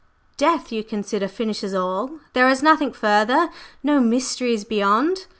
"Death, you consider, finishes all? There is nothing further no mysteries beyond?